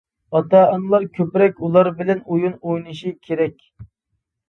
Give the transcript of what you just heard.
ئاتا-ئانىلار كۆپرەك ئۇلار بىلەن ئويۇن ئوينىشى كېرەك.